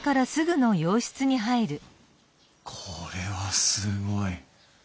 これはすごい。